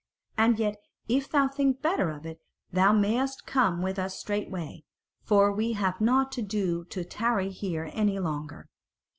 And yet if thou think better of it, thou mayst come with us straightway; for we have nought to do to tarry here any longer.